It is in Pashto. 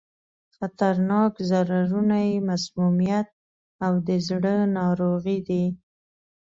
خطرناک ضررونه یې مسمومیت او د زړه ناروغي دي.